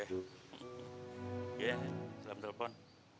oke salam telepon